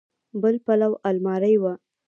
بل پلو المارۍ وه.